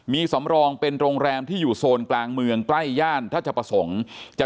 มีสำรองเป็นโรงแรมที่อยู่โซนกลางเมืองใกล้ย่านทัชประสงค์จะ